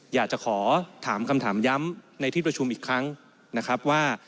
อยากจะขอถามคำถามย้ำในที่ประชุมอีกครั้งนะครับว่า